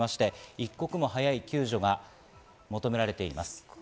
一刻も早い救助が求められています。